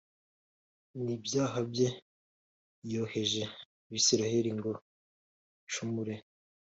n’ibyaha bye yoheje Abisirayeli ngo bacumure